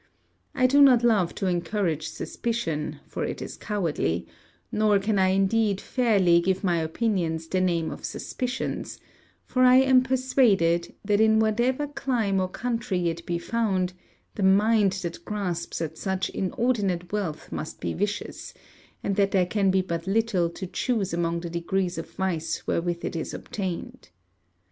I do not love to encourage suspicion, for it is cowardly; nor can I indeed fairly give my opinions the name of suspicions, for I am persuaded, that in whatever clime or country it be found, the mind that grasps at such inordinate wealth must be vicious, and that there can be but little to choose among the degrees of vice wherewith it is obtained.